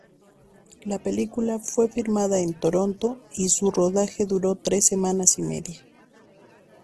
La película fue filmada en Toronto y su rodaje duró tres semanas y media.